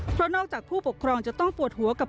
เพราะนอกจากผู้ปกครองจะต้องปวดหัวกับ